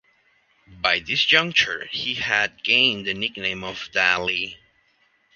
By this juncture, he had gained the nickname of "Dally".